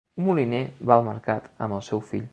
Un moliner va al mercat amb el seu fill.